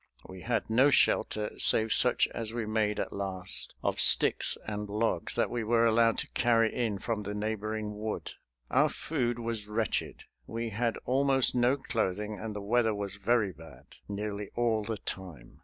We had no shelter save such as we made at last of sticks and logs that we were allowed to carry in from the neighboring wood. Our food was wretched, we had almost no clothing, and the weather was very bad nearly all the time.